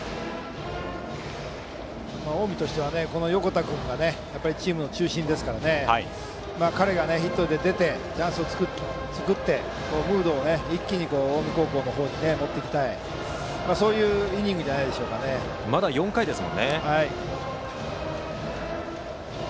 近江としてはこの横田君がチームの中心ですから彼がヒットで出てチャンスを作ってムードを一気に近江高校の方に持っていきたいというまだ４回ですもんね。